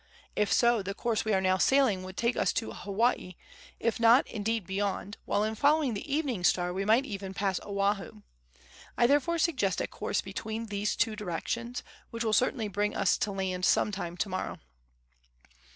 If so, the course we are now sailing would take us to Hawaii, if not, indeed, beyond, while in following the evening star we might even pass Oahu. I therefore suggest a course between these two directions, which will certainly bring us to land some time to morrow."